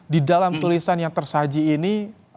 di dalam tulisan yang tersaji ini